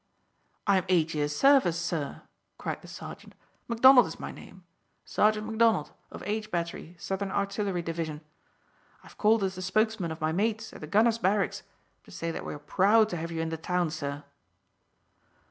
"I am eight years' service, sir," cried the sergeant. "Macdonald is my name Sergeant Macdonald, of H Battery, Southern Artillery Division. I have called as the spokesman of my mates at the gunner's barracks to say that we are proud to have you in the town, sir."